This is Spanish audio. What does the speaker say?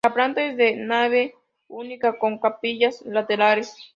La planta es de nave única con capillas laterales.